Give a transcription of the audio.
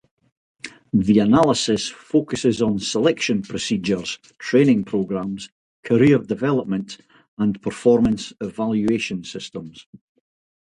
The analysis focuses on selection procedures, training programs, career development, and performance evaluation systems.